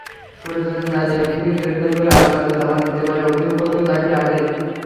প্রয়োজনে দায়ী ব্যক্তিকে গ্রেপ্তার করে আদালতে চালান দিতে পারে অভিযোগপত্র দাখিলের আগেই।